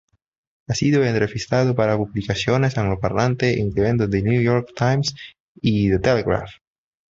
Ha sido entrevistado para publicaciones angloparlantes incluyendo The New York Times y The Telegraph.